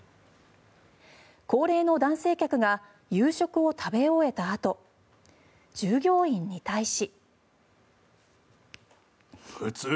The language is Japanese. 高齢の男性客が夕食を食べ終えたあと従業員に対し。